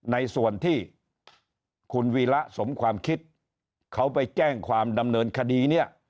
ในส่วนที่คุณวีระสมความคิดเขาไปแจ้งความดำเนินคดีเนี่ย